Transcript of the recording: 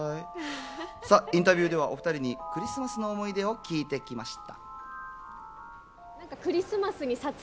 インタビューでは２人にクリスマスの思い出を聞いてきました。